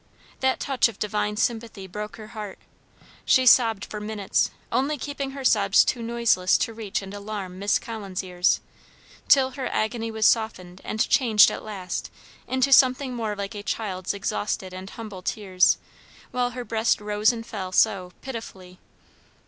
That touch of divine sympathy broke her heart. She sobbed for minutes, only keeping her sobs too noiseless to reach and alarm Miss Collins' ears; till her agony was softened and changed at last into something more like a child's exhausted and humble tears, while her breast rose and fell so, pitifully.